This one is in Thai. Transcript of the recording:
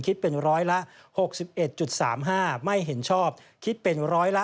คิดเป็น๑๖๑๓๕ไม่เห็นชอบคิดเป็น๑๓๘๖๕